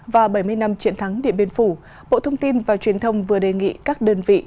và bảy mươi năm triển thắng điện biên phủ bộ thông tin và truyền thông vừa đề nghị các đơn vị